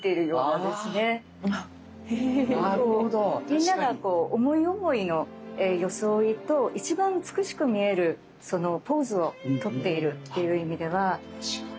みんながこう思い思いの装いと一番美しく見えるポーズをとっているっていう意味では。